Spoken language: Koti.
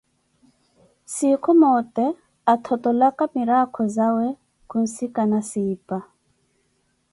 Sinkhu moote, athottolaka mirakho zawe, khunsikana Siipa.